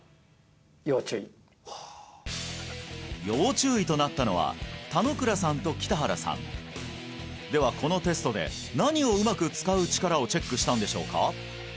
要注意となったのは田野倉さんと北原さんではこのテストで何をうまく使う力をチェックしたんでしょうか？